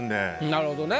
なるほどね。